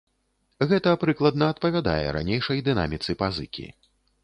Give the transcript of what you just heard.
Гэта прыкладна адпавядае ранейшай дынаміцы пазыкі.